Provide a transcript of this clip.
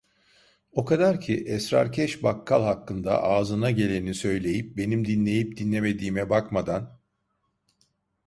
O kadar ki, esrarkeş bakkal hakkında ağzına geleni söyleyip benim dinleyip dinlemediğime bakmadan: